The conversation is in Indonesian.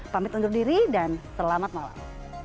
pamit undur diri dan selamat malam